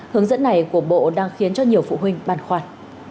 hướng dẫn này của bộ đang khiến cho nhiều phụ huynh bàn khoăn